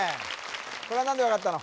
これは何で分かったの？